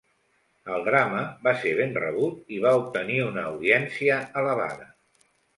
El drama va ser ben rebut i va obtenir una audiència elevada.